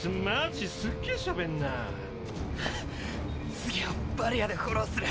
次はバリアでフォローする。